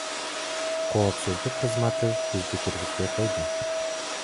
Коопсуздук кызматы бизди киргизбей койду.